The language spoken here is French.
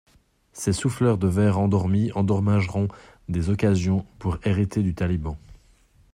Ces souffleurs de verre endormis endommageront des occasions pour hériter du taliban.